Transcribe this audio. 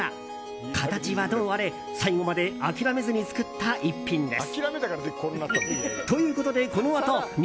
形はどうあれ最後まで諦めずに作った逸品です。